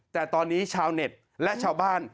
แต่ตอนนี้ชาวเน็ตและชาวบ้าน